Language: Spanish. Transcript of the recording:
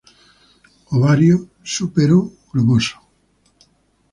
Ovario súpero, globoso.